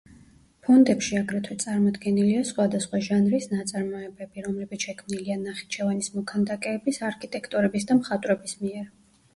ფონდებში აგრეთვე წარმოდგენილია სხვადასხვა ჟანრის ნაწარმოებები, რომლებიც შექმნილია ნახიჩევანის მოქანდაკეების, არქიტექტორების და მხატვრების მიერ.